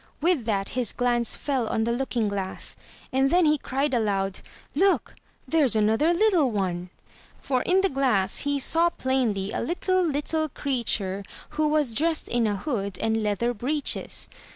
With that his glance fell on the looking glass; and then he cried aloud: "Look! There's another little one." For in the glass he saw plainly a little, little creature who was dressed in a hood and leather breeches.